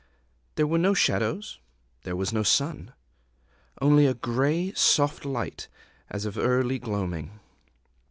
There were no shadows; there was no sun, only a grey soft light, as of early gloaming.